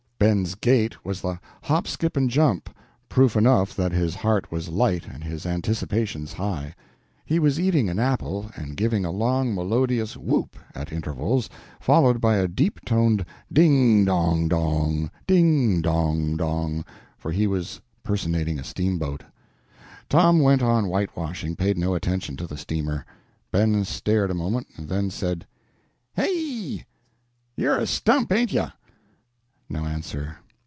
Ben's gait was the hop, skip, and jump proof enough that his heart was light and his anticipations high. He was eating an apple, and giving a long melodious whoop at intervals, followed by a deep toned ding dong dong, ding dong dong, for he was personating a steamboat. Tom went on whitewashing paid no attention to the steamer. Ben stared a moment, and then said "Hi yi! You're a stump, ain't you!" No answer.